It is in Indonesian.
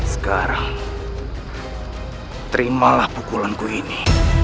sekarang terimalah pukulanku ini